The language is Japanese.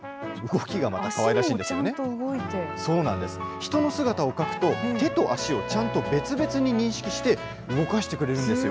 人の姿を描くと、手と足をちゃんと別々に認識して、動かしてくれるんですよ。